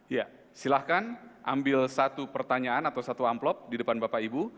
ya silahkan ambil satu pertanyaan atau satu amplop di depan bapak ibu